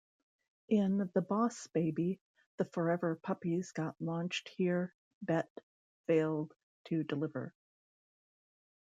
In The Boss Baby, the Forever puppies got launched here bet failed to deliver.